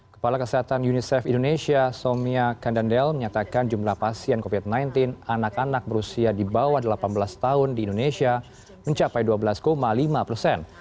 kepala kesehatan unicef indonesia somia kandandel menyatakan jumlah pasien covid sembilan belas anak anak berusia di bawah delapan belas tahun di indonesia mencapai dua belas lima persen